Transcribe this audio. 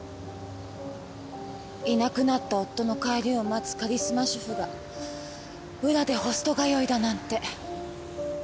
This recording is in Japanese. いなくなった夫の帰りを待つカリスマ主婦が裏でホスト通いだなんて。